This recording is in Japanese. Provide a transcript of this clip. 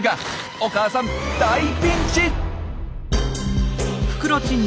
お母さん大ピンチ！